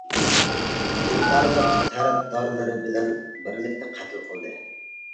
ئۇنى بارلىق تەرەپدارلىرى بىلەن بىرلىكتە قەتل قىلدى.